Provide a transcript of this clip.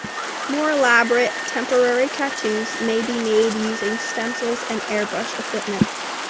More elaborate temporary tattoos may be made using stencils and airbrush equipment.